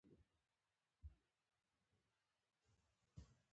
پر خالي مړوند